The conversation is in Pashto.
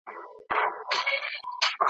چي خبري د رڼا اوري ترهیږي `